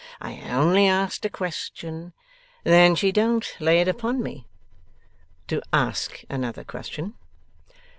I only asked a question. Then she don't lay it upon me? To ask another question.